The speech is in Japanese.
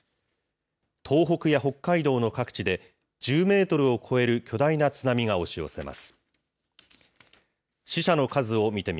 東北や北海道の各地で１０メートルを超える巨大な津波が押し寄せます。